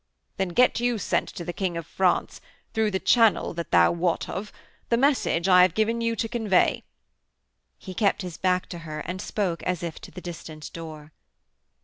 'Then get you sent to the King of France, through the channel that you wot of, the message I have given you to convey.' He kept his back to her and spoke as if to the distant door.